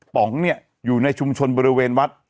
ป๋องเนี่ยอยู่ในชุมชนบริเวณวัด